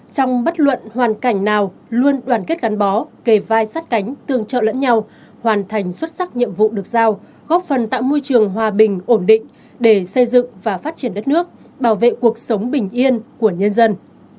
trong bất luận hoàn cảnh nào luôn đoàn kết gắn bó kề vai sát cánh tương trợ lẫn nhau hoàn thành xuất sắc nhiệm vụ được giao góp phần tạo môi trường hòa bình ổn định để xây dựng và phát triển đất nước bảo vệ cuộc sống bình yên của nhân dân